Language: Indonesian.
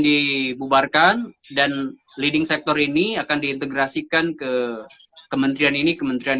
di bubarkan dan leading sector ini akan di integrasikan ke kementerian ini kementerian